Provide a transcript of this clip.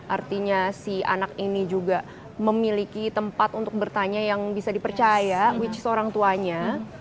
artinya si anak ini juga memiliki tempat untuk bertanya yang bisa dipercaya which is orang tuanya